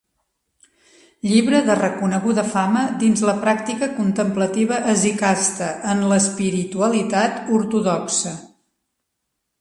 Llibre de reconeguda fama dins la pràctica contemplativa hesicasta en l'espiritualitat ortodoxa.